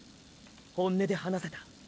本音で話せた。